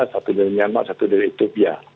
satu dari myanmar satu dari turkia